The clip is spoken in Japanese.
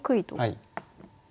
はい。